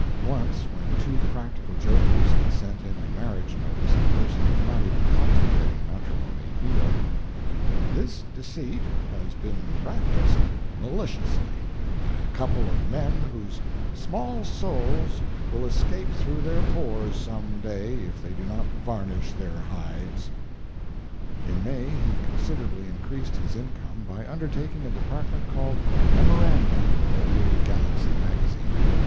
Once, when two practical jokers had sent in a marriage notice of persons not even contemplating matrimony, he wrote: "This deceit has been practised maliciously by a couple of men whose small souls will escape through their pores some day if they do not varnish their hides." In May he considerably increased his income by undertaking a department called "Memoranda" for the new "Galaxy" magazine.